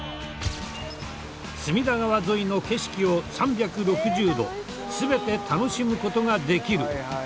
隅田川沿いの景色を３６０度全て楽しむ事ができる。